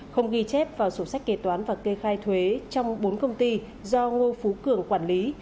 không ghi chép vào sổ sách kế toán và kê khai thuế trong bốn công ty do ngô phú cường quản lý